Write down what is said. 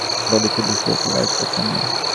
বললে, আমি মেজোবাবুকে তার করেছি, শীঘ্র চলে আসবার জন্যে।